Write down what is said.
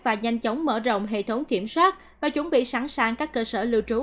và nhanh chóng mở rộng hệ thống kiểm soát và chuẩn bị sẵn sàng các cơ sở lưu trú